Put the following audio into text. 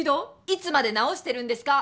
いつまで直してるんですか？